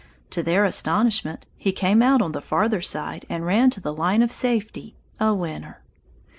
To their astonishment he came out on the farther side and ran to the line of safety, a winner!